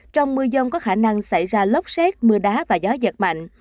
trong mưa dông có khả năng xảy ra lốc xét mưa đá và gió giật mạnh